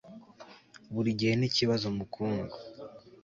Burigihe nikibazo mukundwa